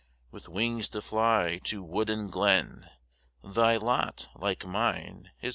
With wings to fly to wood and glen, Thy lot, like mine, is